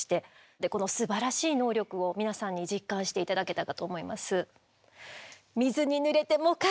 でこのすばらしい能力を皆さんに実感して頂けたかと思います。